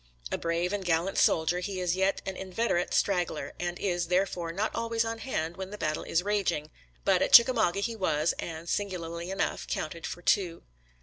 A brave and gallant soldier, he is yet an inveterate straggler, and is, therefore, not always on hand when the battle is raging, but at Chickamauga he was, and, singularly enough, counted for two.